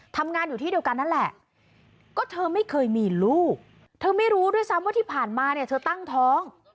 ทำงานอยู่ที่เดียวกันนั่นแหละก็เธอไม่เคยมีลูกเธอไม่รู้ด้วยซ้ำว่าที่ผ่านมาเนี่ยเธอตั้งท้อง